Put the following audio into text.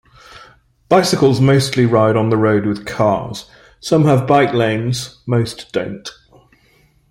Bicycles mostly ride on the road with cars; some have bike lanes, most don't.